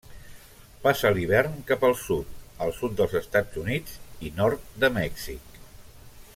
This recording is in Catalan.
Passa l'hivern cap al sud, al sud dels Estats Units i nord de Mèxic.